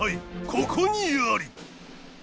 ここにあり！